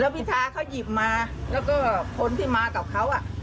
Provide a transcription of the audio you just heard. แล้วพิทาเขาหยิบมาแล้วก็คนที่มากับเขาอ่ะ